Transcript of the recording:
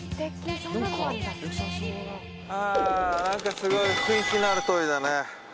すごい雰囲気のある通りだね。